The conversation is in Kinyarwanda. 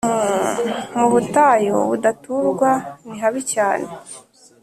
mu butayu budaturwa, nihabi cyane